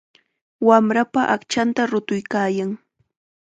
Wamrapa aqchanta rutuykaayan.